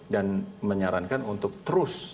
dan menyarankan untuk terus